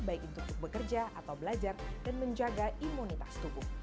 baik untuk bekerja atau belajar dan menjaga imunitas tubuh